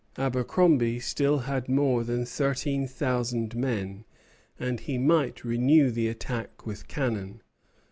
Abercromby still had more than thirteen thousand men, and he might renew the attack with cannon.